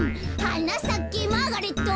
「はなさけマーガレット」